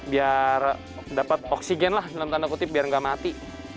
biar dapat oksigen lah dalam tanda kutip biar nggak mati